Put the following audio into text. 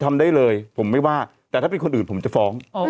ทำได้เลยผมไม่ว่าแต่ถ้าเป็นคนอื่นผมจะฟ้อง